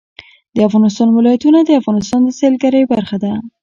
د افغانستان ولايتونه د افغانستان د سیلګرۍ برخه ده.